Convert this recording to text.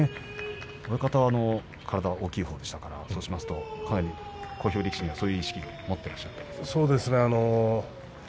親方は体は大きいほうでしたからそうしますと小兵力士にはそういう意識を持っていらっしゃる。